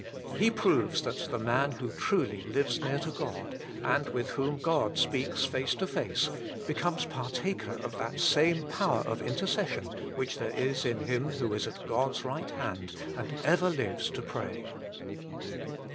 He proves that the man who truly lives near to God, and with whom God speaks face to face, becomes partaker of that same power of intercession which there is in Him who is at God s right hand and ever lives to pray.